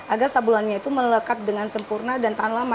agar sabulannya itu melekat dengan sempurna dan tahan lama